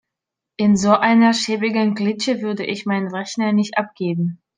In so einer schäbigen Klitsche würde ich meinen Rechner nicht abgeben.